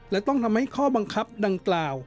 และต้องทำให้ข้อบังคับดังกล่าว